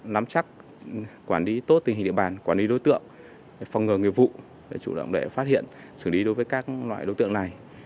nắm chắc quản lý tốt tình hình địa bàn quản lý đối tượng phòng ngừa nghiệp vụ để phát hiện xử lý đối với các loại đối tượng này